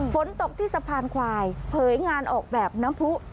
ฝนตกที่สะพานควายเผยงานออกแบบน้ำผู้